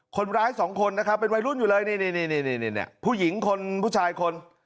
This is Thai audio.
คนร้ายสองคนนะครับเป็นวัยรุ่นอยู่เลยนี่ผู้หญิงคนผู้ชายคน